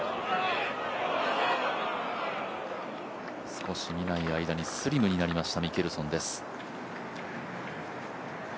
少し見ない間にスリムになりましたミケルソンです。